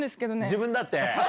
自分だって。